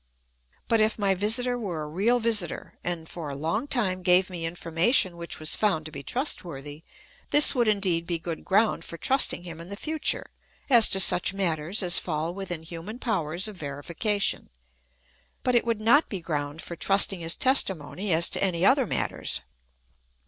But if my visitor were a real visitor, and for a long time gave me information which was found to be trustworthy, this would indeed be good ground for trusting him in the future as to such matters as fall within human powers of verification ; but it would not be ground for trusting his testimony as to any other matters.